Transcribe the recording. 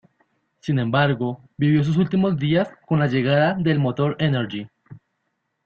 Sin embargo, vivió sus últimos días con la llegada del motor Energy.